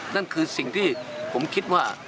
นั่นคือสิ่งที่ผมคิดว่า